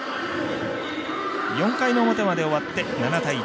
４回の表まで終わって７対１。